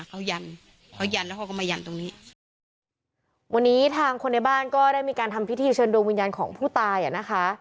เขายันเขายันแล้วเขาก็มายันตรงนี้วันนี้ทางคนในบ้านก็ได้มีการทำพิธีเชิญดวงวิญญาณของผู้ตายอ่ะนะคะ